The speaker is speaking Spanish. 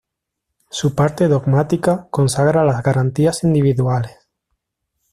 Su parte "dogmática" consagra las "garantías individuales".